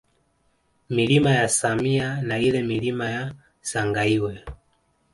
Milima ya Samya na ile Milima ya Sangaiwe